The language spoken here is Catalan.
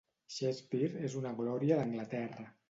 Shakespeare és una glòria d'Anglaterra.